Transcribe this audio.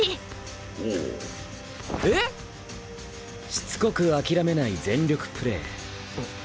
しつこく諦めない全力プレー。